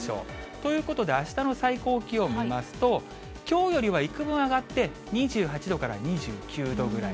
ということで、あしたの最高気温見ますと、きょうよりはいくぶん上がって、２８度から２９度ぐらい。